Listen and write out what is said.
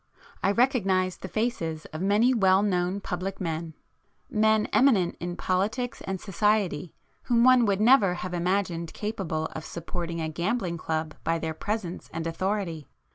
I recognised the faces of many well known public men,—men eminent in politics and society whom one would never have imagined capable of supporting a gambling club by their presence and authority.